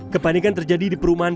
kepanikan terjadi di perumahan